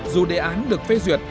dù đề án được phê duyệt